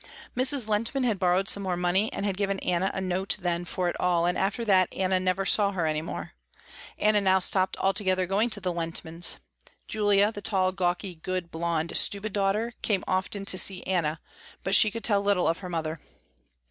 Mrs. Lehntman had borrowed some more money and had given Anna a note then for it all, and after that Anna never saw her any more. Anna now stopped altogether going to the Lehntmans'. Julia, the tall, gawky, good, blonde, stupid daughter, came often to see Anna, but she could tell little of her mother.